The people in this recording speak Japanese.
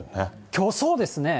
きょう、そうですね。